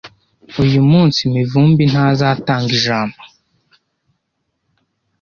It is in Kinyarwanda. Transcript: Uyu munsi, Mivumbi ntazatanga ijambo.